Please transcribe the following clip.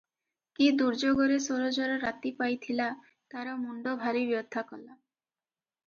କି ଦୁର୍ଯୋଗରେ ସରୋଜର ରାତି ପାଇଥିଲା ତାର ମୁଣ୍ଡ ଭାରି ବ୍ୟଥା କଲା ।